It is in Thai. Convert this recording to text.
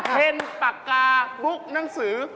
เป็นปากกาบุ๊กหนังสือ